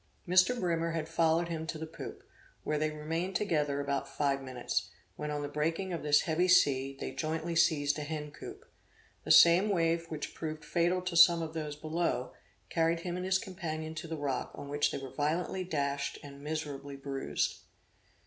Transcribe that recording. Mr. Brimer had followed him to the poop, where they remained together about five minutes; when on the breaking of this heavy sea, they jointly seized a hen coop. The same wave which proved fatal to some of those below, carried him and his companion to the rock, on which they were violently dashed and miserably bruised.